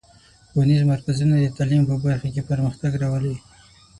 ښوونیز مرکزونه د تعلیم په برخه کې پرمختګ راولي.